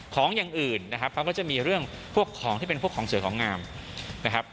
อย่างอื่นนะครับเขาก็จะมีเรื่องพวกของที่เป็นพวกของสวยของงามนะครับ